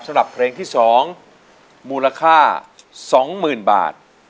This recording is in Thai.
สำหรับเพลงที่สองมูลค่าสองหมื่นบาท